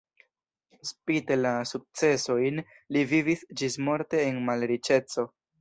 Spite la sukcesojn li vivis ĝismorte en malriĉeco.